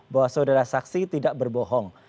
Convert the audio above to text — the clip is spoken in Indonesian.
bahwa saudara saksi tidak berbohong